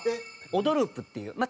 『オドループ』っていうま